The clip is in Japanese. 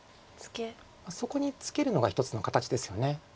そこにツケるのが一つの形ですよね。